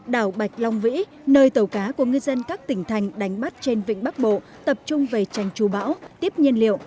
đảo bạch long vĩ nơi tàu cá của ngư dân các tỉnh thành đánh bắt trên vịnh bắc bộ tập trung về tranh trù bão tiếp nhiên liệu